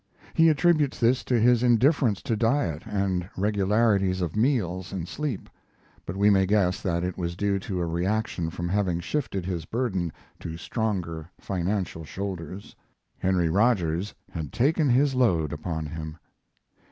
He attributes this to his indifference to diet and regularities of meals and sleep; but we may guess that it was due to a reaction from having shifted his burden to stronger financial shoulders. Henry Rogers had taken his load upon him.